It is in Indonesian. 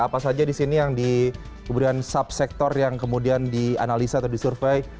apa saja di sini yang di kemudian subsektor yang kemudian dianalisa atau disurvey